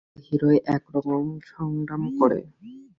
প্রতিটা হিরোই এরকম সংগ্রাম করে।